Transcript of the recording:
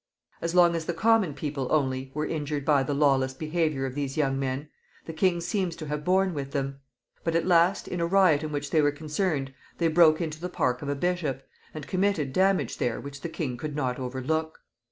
As long as the common people only were injured by the lawless behavior of these young men, the king seems to have borne with them; but at last, in a riot in which they were concerned, they broke into the park of a bishop, and committed damage there which the king could not overlook.